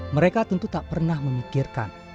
mereka tentu tak pernah memikirkan